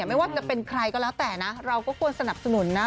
ไม่ว่าจะเป็นใครก็แล้วแต่นะเราก็ควรสนับสนุนนะ